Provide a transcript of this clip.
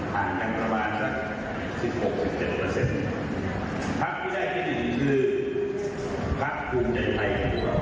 แซงพักภูมิใจไทยได้คะแนนลำดับที่๑